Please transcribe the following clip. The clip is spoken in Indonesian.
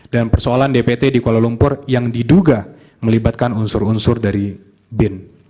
dan persoalan dpt di kuala lumpur yang diduga melibatkan unsur unsur dari bin